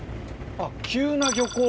あっ急な漁港。